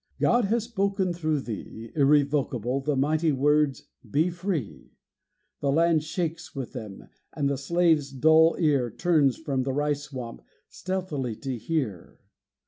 God has spoken through thee, Irrevocable, the mighty words, Be free! The land shakes with them, and the slave's dull ear Turns from the rice swamp stealthily to hear.